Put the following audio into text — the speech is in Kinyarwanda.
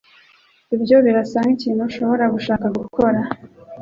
Ibyo birasa nkikintu ushobora gushaka gukora?